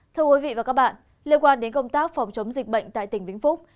thưa quý vị và các bạn liên quan đến công tác phòng chống dịch bệnh tại tỉnh vĩnh phúc